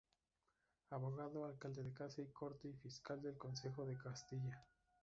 Abogado, alcalde de Casa y Corte y fiscal del Consejo de Castilla.